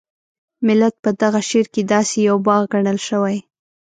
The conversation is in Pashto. ملت په دغه شعر کې داسې یو باغ ګڼل شوی.